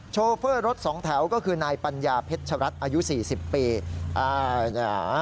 โชเฟอร์รถสองแถวก็คือนายปัญญาเพชรรัฐอายุ๔๐ปี